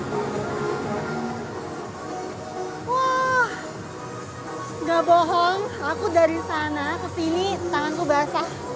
tidak bohong aku dari sana ke sini tanganku basah karena semenyeramkan itu